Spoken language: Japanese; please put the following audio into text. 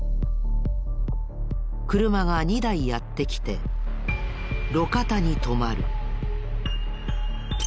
車が２台やって来て路肩に止まる。